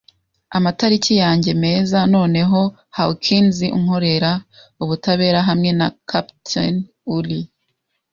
amatariki yanjye meza! Noneho, Hawkins, unkorera ubutabera hamwe na cap'n. Uri